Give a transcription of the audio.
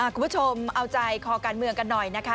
คุณผู้ชมเอาใจคอการเมืองกันหน่อยนะคะ